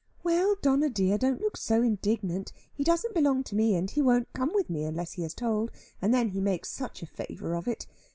"Well, Donna dear, don't look so indignant. He doesn't belong to me, and he won't come with me unless he is told, and then he makes such a favour of it.